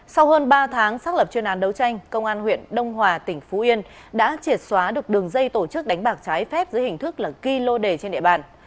sau hơn ba tháng xác lập chuyên án đấu tranh công an huyện đông hòa tỉnh phú yên đã triệt xóa được đường dây tổ chức đánh bạc trái phép dưới hình thức là ghi lô đề trên địa bàn